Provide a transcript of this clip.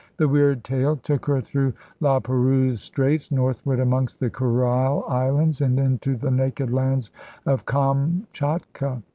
The weird tale took her through La Perouse Straits, northward amongst the Kurile Islands, and into the naked lands of Kamchatka.